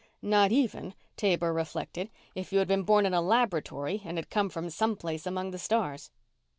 Not even, Taber reflected, if you had been born in a laboratory and had come from someplace among the stars.